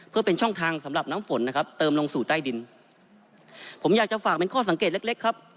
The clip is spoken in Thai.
เพื่อเป็นช่องทางสำหรับน้ำฝนนะครับเติมลงสู่ใต้ดินผมอยากจะฝากเป็นข้อสังเกตเล็กเล็กครับ